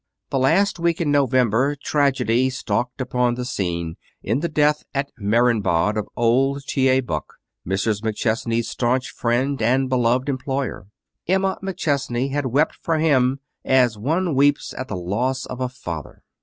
The last week in November, tragedy stalked upon the scene in the death at Marienbad of old T. A. Buck, Mrs. McChesney's stanch friend and beloved employer. Emma McChesney had wept for him as one weeps at the loss of a father.